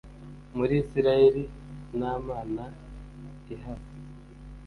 muri isirayeli nta mana l ihaba